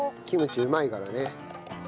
キムチうまいからね。